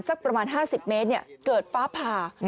สักประมาณ๕๐เมตรเกิดฟ้าผ่า